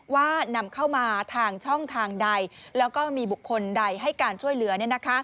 นำเข้ามาทางช่องทางใดแล้วก็มีบุคคลใดให้การช่วยเหลือ